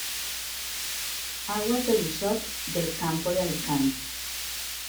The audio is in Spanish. Aguas de Busot del Campo de Alicante.